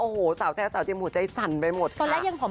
ตอนแรกยังผอมอยู่เลยนะครับโรงการ